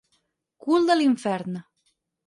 Cul de l'infern.